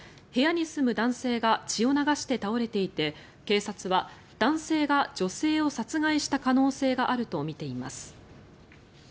部屋に住む男性が血を流して倒れていて警察は男性が女性を殺害した可能性があるとみています。